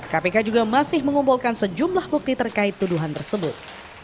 kpk juga masih mengumpulkan sejumlah bukti terkait tuduhan tersebut